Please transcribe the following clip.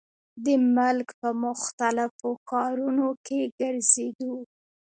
د ملک پۀ مختلفو ښارونو کښې ګرزيدو ۔